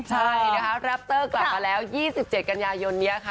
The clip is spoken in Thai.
ใช่นะคะแรปเตอร์กลับมาแล้ว๒๗กันยายนนี้ค่ะ